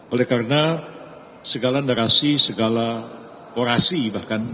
oleh karena segala narasi segala orasi bahkan